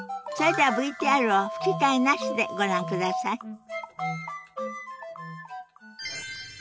それではＶＴＲを吹き替えなしでご覧ください。